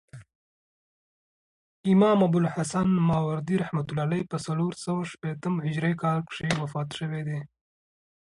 امام ابوالحسن ماوردي رحمة الله په څلورسوه شپېتم هجري کال کښي وفات سوی دي.